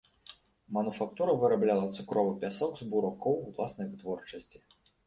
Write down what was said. Мануфактура вырабляла цукровы пясок з буракоў уласнай вытворчасці.